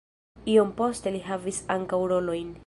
Iom poste li havis ankaŭ rolojn.